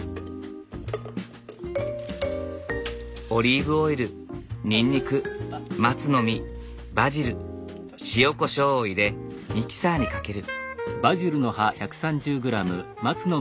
オリーブオイルにんにく松の実バジル塩こしょうを入れミキサーにかける。